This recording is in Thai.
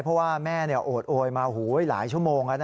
เพราะว่าแม่โอดโอยมาหลายชั่วโมง